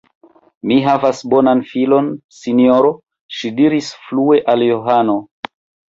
Mi havas bonan filon, sinjoro, ŝi diris plue al Johano.